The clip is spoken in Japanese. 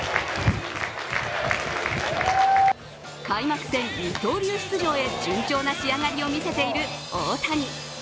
開幕戦二刀流出場へ順調な仕上がりを見せている大谷。